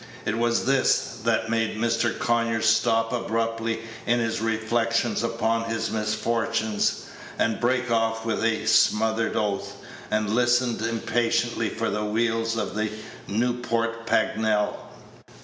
It was this that made Mr. Conyers stop abruptly in his reflections upon his misfortunes, and break off with a smothered oath, and listen impatiently for the wheels of the Newport Pagnell.